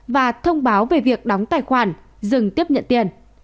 và thông báo về việc đóng tài khoản dừng tiếp nhận tiền